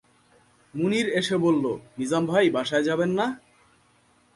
মুনির এসে বলল, নিজাম ভাই বাসায় যাবেন না?